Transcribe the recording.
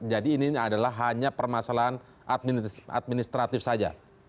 jadi ini adalah hanya permasalahan administratif saja